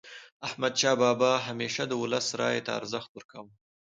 احمدشاه بابا به همیشه د ولس رایې ته ارزښت ورکاوه.